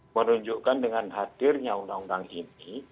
menunjukkan dengan hadirnya undang undang ini